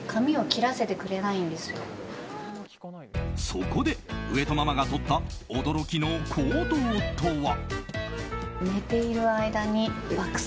そこで、上戸ママがとった驚きの行動とは。